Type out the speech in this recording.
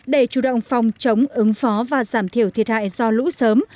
để chủ động phòng chống ứng phó và giảm thiểu thiệt hại do lũ sớm